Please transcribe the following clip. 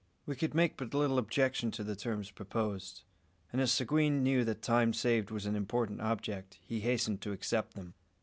We could make but little objection to the terms proposed; and as Seguin knew that time saved was an important object, he hastened to accept them.